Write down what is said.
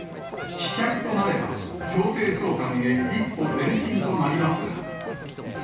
棄却となれば、強制送還へ一歩前進となりますが。